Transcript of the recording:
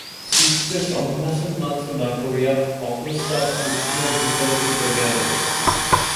শিষ্টসম্ভাষণমাত্র না করিয়া অকস্মাৎ উঠিয়া দ্রুতবেগে চলিয়া গেলেন।